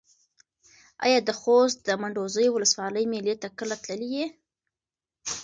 ایا د خوست د منډوزیو ولسوالۍ مېلې ته کله تللی یې؟